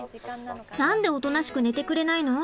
何でおとなしく寝てくれないの？